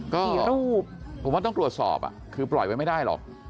ก็สี่รูปผมว่าต้องกลัวสอบอ่ะคือปล่อยไว้ไม่ได้หรอก